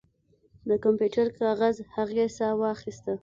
د کمپیوټر کاغذ هغې ساه واخیسته